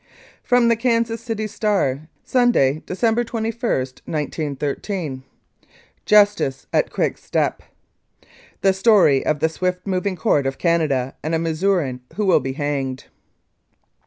From the Kansas City Star, Sunday, December 21, 1913. "JUSTICE AT QUICK STEP. "The Story of the Swift Moving Court of Canada and a Missourian Who Will be Hanged.